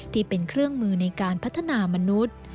ที่เป็นเครื่องมือในการพัฒนามนุษย์